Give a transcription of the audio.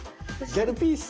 「ギャルピース」。